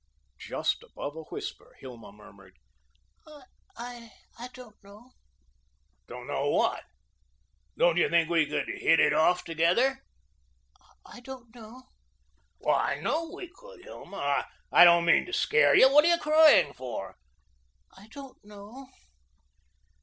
Just above a whisper, Hilma murmured: "I I don't know." "Don't know what? Don't you think we could hit it off together?" "I don't know." "I know we could, Hilma. I don't mean to scare you. What are you crying for?" "I don't know."